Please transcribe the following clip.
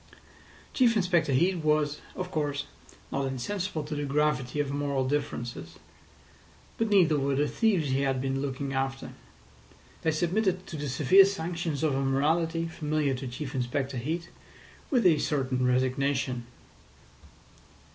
Chief Inspector Heat was, of course, not insensible to the gravity of moral differences. But neither were the thieves he had been looking after. They submitted to the severe sanctions of a morality familiar to Chief Inspector Heat with a certain resignation.